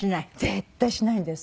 絶対しないんです。